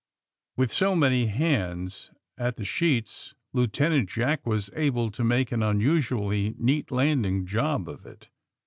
With so many hands at the sheets Lieutenant Jack was able to make an unusually neat landing job of it.